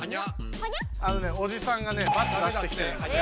あのねおじさんがねバツ出してきてるんですよ。